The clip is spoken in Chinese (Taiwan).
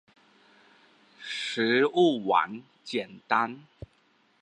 食物網簡單